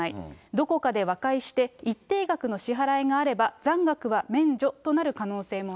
どこかで和解して、一定額の支払いがあれば、残額は免除となる可